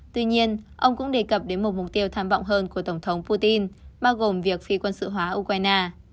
tuy nhiên ông cũng đề cập đến một mục tiêu tham vọng hơn của tổng thống putin bao gồm việc phi quân sự hóa ukraine